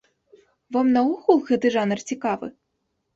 Вам наогул гэты жанр цікавы?